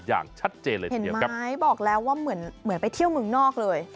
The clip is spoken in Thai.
อย่างชัดเจนเลยเห็นไหมบอกแล้วว่าเหมือนไปเที่ยวเมืองนอกเลย